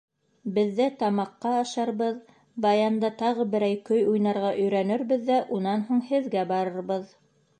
Беҙҙә тамаҡҡа ашарбыҙ, баянда тағы берәй көй уйнарға өйрәнербеҙ ҙә унан һуң һеҙгә барырбыҙ.